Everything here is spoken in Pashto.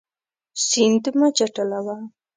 سیند مه چټلوه.